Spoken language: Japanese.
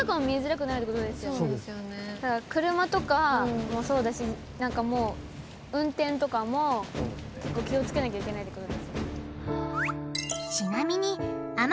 車とかもそうだしなんかもう運転とかもけっこう気をつけなきゃいけないってことですよね。